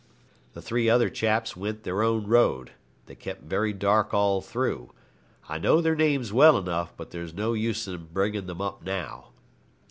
The three other chaps went their own road. They kept very dark all through. I know their names well enough, but there's no use in bringing them up now.